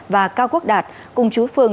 và cao quốc đạt cùng chú phương